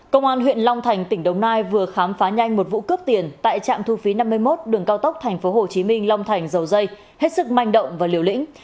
công an huyện long thành tỉnh đông nai vừa khám phá nhanh một vụ cướp tiền tại trạm thu phí năm mươi một đường cao tốc thành phố hồ chí minh long thành dầu dây hết sức manh động và liều lĩnh